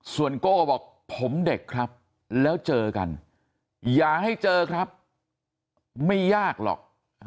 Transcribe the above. ส่วนโก้บอกผมเด็กครับแล้วเจอกันอย่าให้เจอครับไม่ยากหรอก